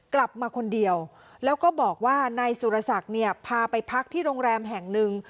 กลับมาคนเดียวแล้วก็บอกว่าในสุรสักฯพาไปพักที่โรงแรมแห่งหนึ่ง